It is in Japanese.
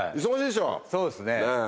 そうですね。